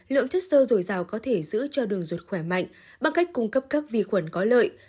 lượng chất sơ dồi dào có thể giữ cho đường ruột khỏe mạnh bằng cách cung cấp các vi khuẩn có lợi